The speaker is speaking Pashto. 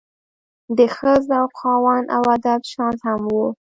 د ښۀ ذوق خاوند او ادب شناس هم وو